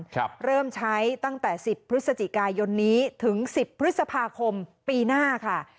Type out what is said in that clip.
เริ่มใช้ตั้งแต่สิบพฤศจิกายนนี้ถึงสิบพฤษภาคมปีหน้าค่ะ